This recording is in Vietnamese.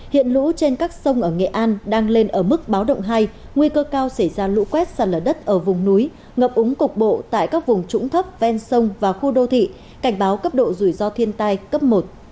hiện lũ trên các sông ở nghệ an đang lên ở mức báo động hai nguy cơ cao xảy ra lũ quét sạt lở đất ở vùng núi ngập úng cục bộ tại các vùng trũng thấp ven sông và khu đô thị cảnh báo cấp độ rủi ro thiên tai cấp một